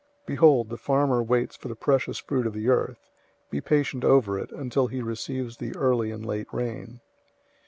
Behold, the farmer waits for the precious fruit of the earth, being patient over it, until it receives the early and late rain.